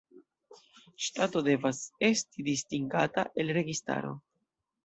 Ŝtato devas esti distingata el registaro.